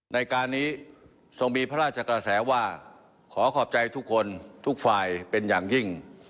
ในการนี้ทรงมีพระราชกระแสว่าขอขอบใจทุกคนทุกฝ่ายเป็นอย่างยิ่ง